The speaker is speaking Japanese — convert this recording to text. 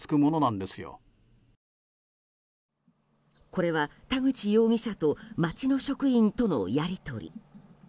これは田口容疑者と町の職員とのやり取り。